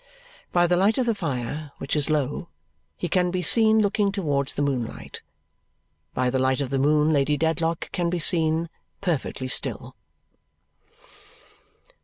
By the light of the fire, which is low, he can be seen looking towards the moonlight. By the light of the moon Lady Dedlock can be seen, perfectly still.